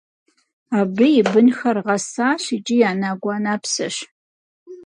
Абы и бынхэр гъэсащ икӏи анэгу-анэпсэщ.